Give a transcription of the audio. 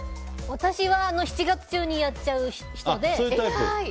私は７月中にやっちゃう人で。